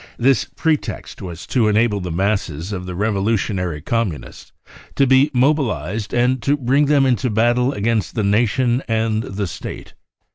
This pretext was to enable the masses of the revolu tionary Communists to be mobilised and to bring them into battle against the Nation and the State.